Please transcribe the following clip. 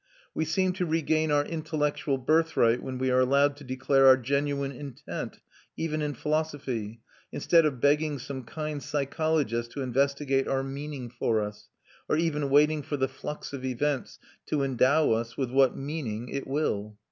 We seem to regain our intellectual birthright when we are allowed to declare our genuine intent, even in philosophy, instead of begging some kind psychologist to investigate our "meaning" for us, or even waiting for the flux of events to endow us with what "meaning" it will.